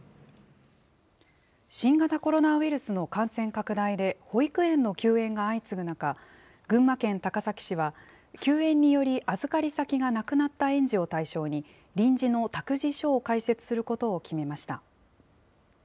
新型コロナウイルスの感染拡大で、保育園の休園が相次ぐ中、群馬県高崎市は、休園により預かり先がなくなった園児を対象に、臨時の託児所を開設することを決めました。